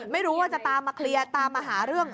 ไม่รู้ว่าจะตามมาเคลียร์ตามมาหาเรื่อง